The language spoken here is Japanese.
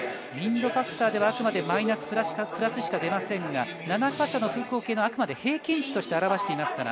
ウインドファクターではあくまでマイナス、プラスしか出ませんが、７か所の風向計があくまで平均値として表しています。